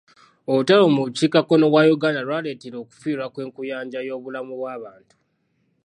Olutalo mu bukiika kkono bwa Uganda lwaleetera okufiirwa kw'enkuyanja y'obulamu bw'abantu.